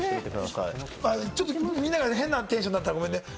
みんなが変なテンションになったらごめんなさい。